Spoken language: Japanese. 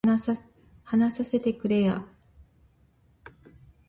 話させてくれや